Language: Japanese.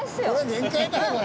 限界だよこれ。